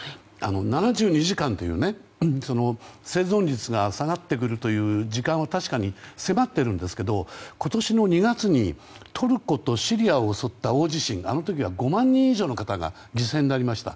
７２時間という生存率が下がってくる時間は確かに迫っているんですが今年の２月にトルコとシリアを襲った大地震あの時は５万人以上の方が犠牲になりました。